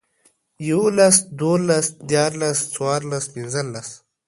يوولس، دوولس، ديارلس، څوارلس، پينځلس